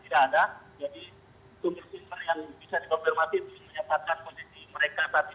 seperti mana fani